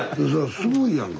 すごいやんかこれ。